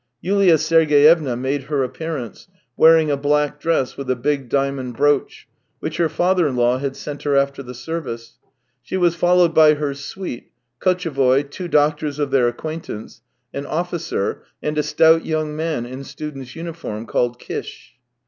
Yulia Sergey evna made her appearance, wearing a black dress with a big diamond brooch, which her father in law had sent her after the service. She was followed by her suite — Kotchevoy, two doctors of their acquaintance, an officer, and a stout young man in student's uniform, called Kish.